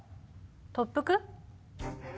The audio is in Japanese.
特服？